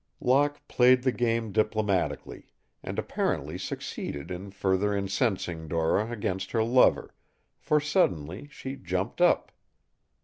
Locke played the game diplomatically, and apparently succeeded in further incensing Dora against her lover, for, suddenly she jumped up.